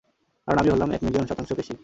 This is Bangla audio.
কারণ আমি হলাম এক মিলিয়ন শতাংশ পেশী।